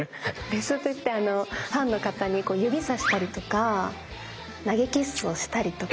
「レス」といってファンの方に指さしたりとか投げキッスをしたりとか。